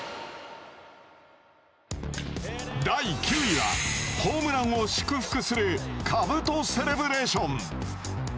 第９位はホームランを祝福するかぶとセレブレーション。